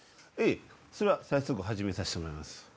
早速始めさせてもらいます。